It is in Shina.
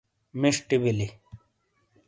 مݜٹی بلی۔